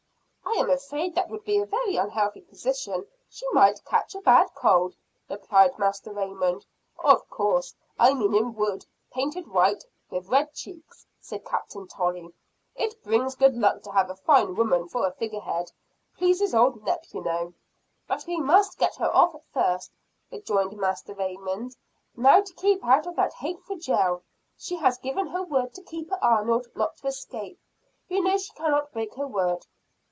"I am afraid that would be a very unhealthy position she might catch a bad cold," replied Master Raymond. "Oh, of course I mean in wood, painted white with red cheeks," said Captain Tolley. "It brings good luck to have a fine woman for a figure head pleases old Nep, you know." "But we must get her off first," rejoined Master Raymond. "Now to keep out of that hateful jail, she has given her word to Keeper Arnold not to escape. You know she cannot break her word."